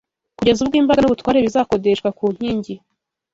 Kugeza ubwo imbaraga n'ubutware bizakodeshwa ku nkingi